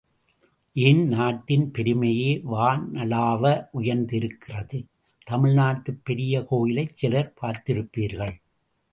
ஏன், நாட்டின் பெருமையே வானளாவ உயர்ந்திருக்கிறது, தமிழ்நாட்டுப் பெரிய கோயிலைச் சிலர் பார்த்திருப்பீர்கள்.